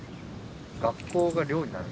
学校が寮になる？